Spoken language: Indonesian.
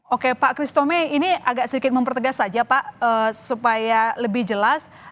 oke pak kristomi ini agak sedikit mempertegas saja pak supaya lebih jelas